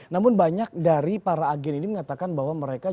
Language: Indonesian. namun banyak dari para agen ini mengatakan bahwa mereka